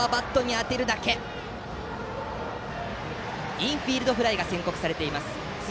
インフィールドフライが宣告されています。